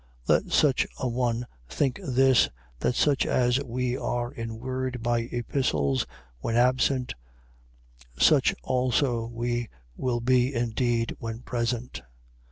Let such a one think this, that such as we are in word by epistles when absent, such also we will be indeed when present.